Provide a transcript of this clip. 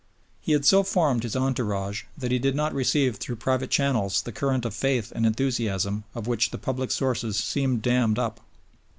He had so formed his entourage that he did not receive through private channels the current of faith and enthusiasm of which the public sources seemed dammed up.